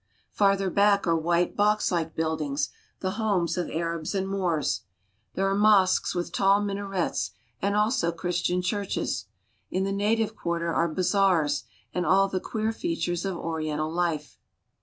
Farther back are white, boxlike buildings, the homes of Arabs and Moors. There are mosques with tall minarets and also Christian churches. In the native quarter are bazaars and all the queer features of Oriental life.